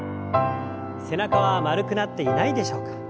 背中は丸くなっていないでしょうか。